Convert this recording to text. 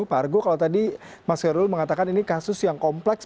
pak argo kalau tadi mas khairul mengatakan ini kasus yang kompleks